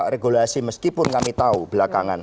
regulasi meskipun kami tahu belakangan